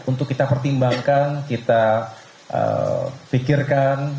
untuk kita pertimbangkan kita pikirkan